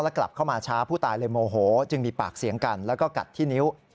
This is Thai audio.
กลับเข้ามาช้าผู้ตายเลยโมโหจึงมีปากเสียงกันแล้วก็กัดที่นิ้ว